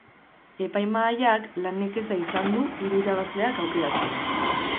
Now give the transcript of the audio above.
Epaimahaiak lan nekeza izan du hiru irabazleak aukeratzen.